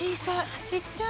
ちっちゃい！